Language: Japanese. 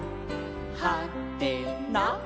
「はてな？